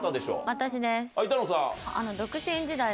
私です。